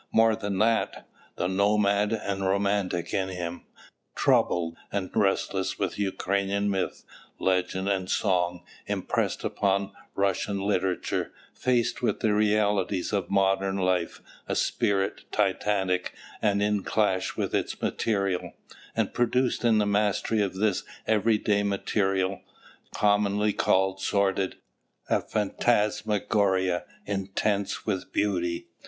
More than that. The nomad and romantic in him, troubled and restless with Ukrainian myth, legend, and song, impressed upon Russian literature, faced with the realities of modern life, a spirit titanic and in clash with its material, and produced in the mastery of this every day material, commonly called sordid, a phantasmagoria intense with beauty.